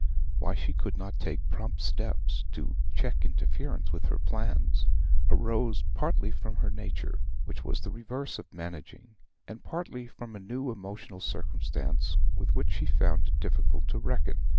Why she could not take prompt steps to check interference with her plans arose partly from her nature, which was the reverse of managing, and partly from a new emotional circumstance with which she found it difficult to reckon.